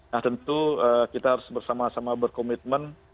nah tentu kita harus bersama sama berkomitmen